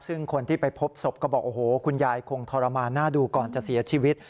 ซึ่งคนที่ไปพบศพก็บอกโอ้โหคุณยายคงทรมานน่าดูก่อนจะเสียชีวิต